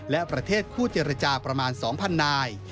และประเทศคู่เจรจาประมาณ๒๐๐นาย